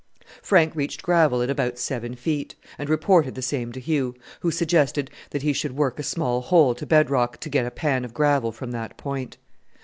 Frank reached gravel at about seven feet, and reported the same to Hugh, who suggested that he should work a small hole to bed rock to get a pan of gravel from that point.